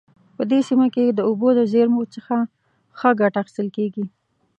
په دې سیمه کې د اوبو د زیرمو څخه ښه ګټه اخیستل کیږي